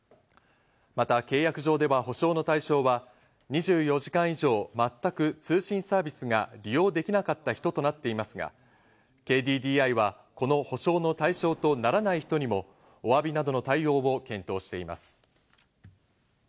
また契約上では補償の対象は２４時間以上、全く通信サービスが利用できなかった人となっていますが、ＫＤＤＩはこの補償の対象とならない人にも、お詫びなどの対応を検討しています。